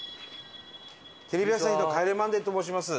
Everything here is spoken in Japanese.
テレビ朝日の『帰れマンデー』と申します。